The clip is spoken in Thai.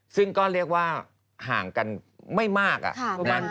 ซึ่งก็เรียกว่าห่างกันไม่มากอะ